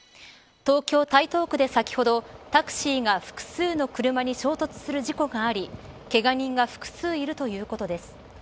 東京、台東区で先ほどタクシーが複数の車に衝突する事故がありけが人が複数いるということです。